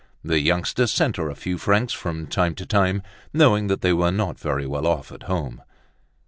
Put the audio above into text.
The youngster sent her a few francs from time to time, knowing that they were not very well off at home.